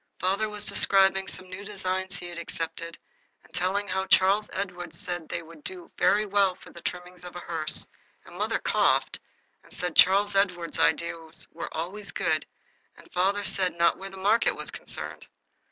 Father was describing some new designs he had accepted, and telling how Charles Edward said they would do very well for the trimmings of a hearse, and mother coughed and said Charles Edward's ideas were always good, and father said not where the market was concerned.